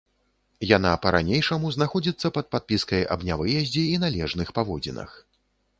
Яна па-ранейшаму знаходзіцца пад падпіскай аб нявыездзе і належных паводзінах.